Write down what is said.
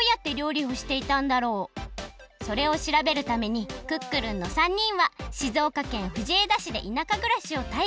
それをしらべるためにクックルンの３にんは静岡県藤枝市でいなかぐらしをた